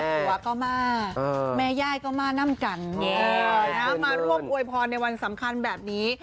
แม่ผัวก็มาเออแม่ย่ายก็มานั่มกันเออมารวมอวยพรในวันสำคัญแบบนี้